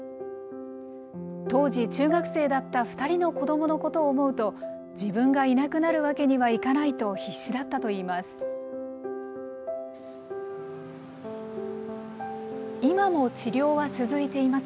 当時、中学生だった２人の子どものことを思うと、自分がいなくなるわけにはいかないと必死だったといいます。